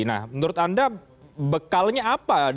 nah menurut anda bekalnya apa